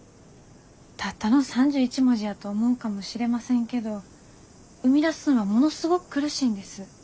たったの３１文字やと思うかもしれませんけど生み出すんはものすごく苦しいんです。